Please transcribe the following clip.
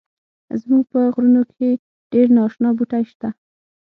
زمونږ په غرونو کښی ډیر ناشنا بوټی شته